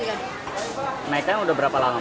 kenaikan udah berapa lama